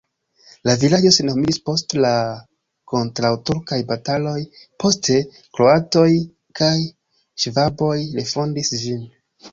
La vilaĝo senhomiĝis post la kontraŭturkaj bataloj, poste kroatoj kaj ŝvaboj refondis ĝin.